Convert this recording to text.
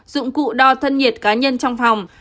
dụng cụ đo thân nhiệt cá nhân trong phòng